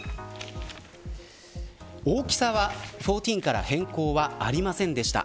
大きさは１４から変更はありませんでした。